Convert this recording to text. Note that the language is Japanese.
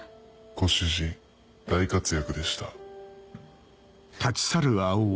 ご主人大活躍でした。